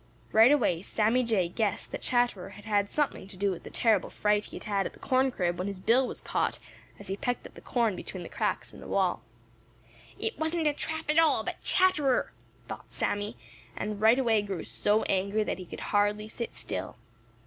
Right away Sammy Jay guessed that Chatterer had had something to do with the terrible fright he had had at the corn crib when his bill was caught as he pecked at the corn between the cracks in the wall. "It wasn't a trap at all, but Chatterer!" thought Sammy and right away grew so angry that he could hardly sit still.